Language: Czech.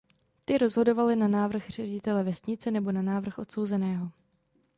Ty rozhodovaly na návrh ředitele věznice nebo na návrh odsouzeného.